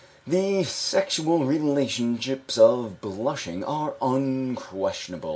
The sexual relationships of blushing are unquestionable.